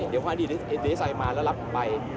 เดี๋ยวความถึงในเดรสไซด์มาและรับไป